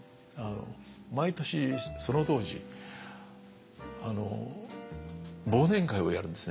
毎年その当時忘年会をやるんですね。